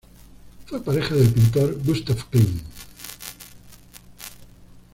Fue pareja del pintor Gustav Klimt.